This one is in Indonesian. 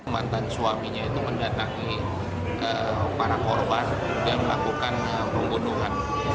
mantan suaminya itu mendatangi para korban dan melakukan pembunuhan